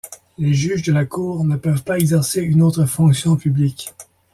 Les juges de la Cour ne peuvent pas exercer une autre fonction publique.